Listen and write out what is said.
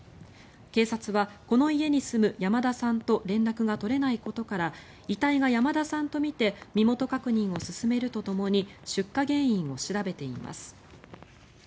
警察はこの家に住む山田さんと連絡が取れないことから遺体が山田さんとみて身元確認を進めるとともに出火原因を調べています。